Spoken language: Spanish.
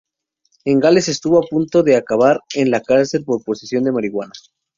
En Gales estuvo a punto de acabar en la cárcel por posesión de marihuana.